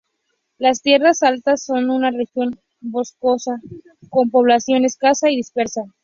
Las tierras altas son una región boscosa, con población escasa y dispersa.